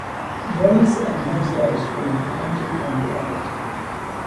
Movies in those days were prevented from reality.